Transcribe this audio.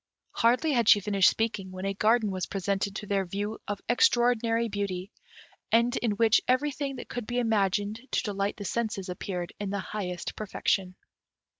Hardly had she finished speaking, when a garden was presented to their view of extraordinary beauty, and in which everything that could be imagined to delight the senses appeared in the highest perfection.